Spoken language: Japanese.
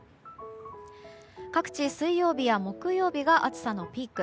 各地、水曜日や木曜日が暑さのピーク。